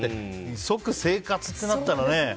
即生活ってなったらね。